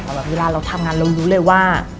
แบบเวลาเราทำงานเรารู้เลยว่า